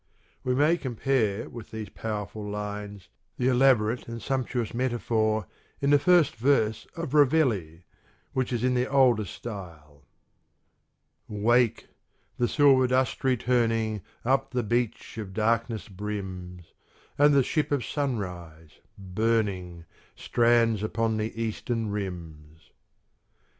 We may compare with these powerful lines the elabo rate and sumptuous metaphor in the first verse of " Reveille," which is in the older style: Wake : the silver dusk returning Up the beach of darkness brims, And the ship of sunrise, burning, Strands upon the Eastern rims.